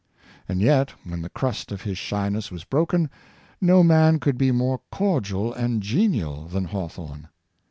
And yet, when the crust of his shyness was broken, no man could be more cordial and genial than Hawthorne.